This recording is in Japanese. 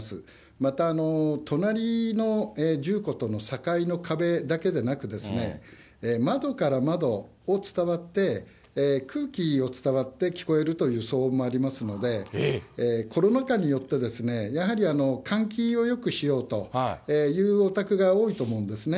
また隣の住戸との境の壁だけでなく、窓から窓を伝わって、空気を伝わって聞こえるという騒音もありますので、コロナ禍によって、やはり換気をよくしようというお宅が多いと思うんですね。